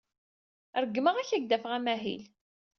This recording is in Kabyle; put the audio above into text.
Ṛeggmeɣ-ak ad ak-d-afeɣ amahil.